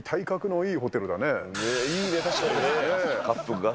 いいね、確かにね。